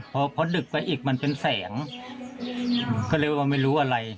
พอพอดึกไปอีกมันเป็นแสงเขาเรียกว่าไม่รู้อะไร